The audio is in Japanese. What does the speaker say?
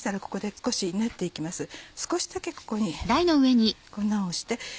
少しだけここに粉をして。